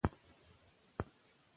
هغه د چاپ هڅې ټینګې ساتلې.